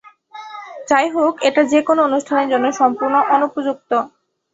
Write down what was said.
যাই হোক, এটা যেকোন অনুষ্ঠানের জন্য সম্পূর্ণ অনুপযুক্ত।